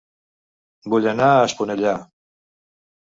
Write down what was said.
Vull anar a Esponellà